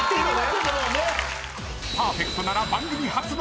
［パーフェクトなら番組］